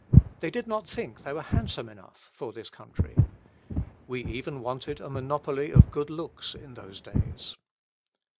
They did not think they were handsome enough for this country. We even wanted a monopoly of good looks in those days.